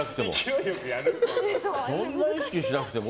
そんな意識しなくても。